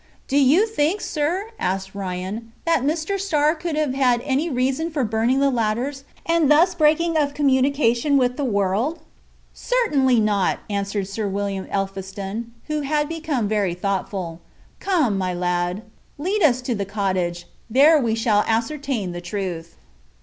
"Do you think, sir," asked Ryan, "that Mr. Starr could have had any reason for burning the ladders, and thus breaking of communication with the world?" "Certainly not," answered Sir William Elphiston, who had become very thoughtful. "Come, my lad, lead us to the cottage. There we shall ascertain the truth."